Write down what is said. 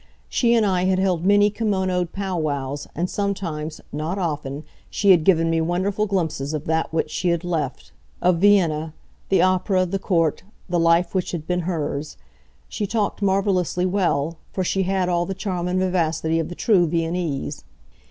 She and I had held many kimonoed pow wows, and sometimes not often she had given me wonderful glimpses of that which she had left of Vienna, the opera, the court, the life which had been hers. She talked marvelously well, for she had all the charm and vivacity of the true Viennese.